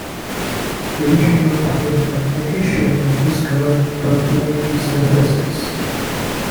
Eugenio became a mathematician and discovered Togliatti surfaces.